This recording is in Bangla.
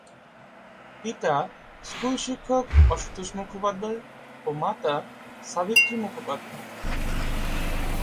পিতা স্কুল শিক্ষক আশুতোষ মুখোপাধ্যায় ও মাতা সাবিত্রী মুখোপাধ্যায়।